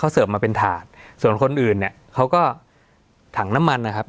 เสิร์ฟมาเป็นถาดส่วนคนอื่นเนี่ยเขาก็ถังน้ำมันนะครับ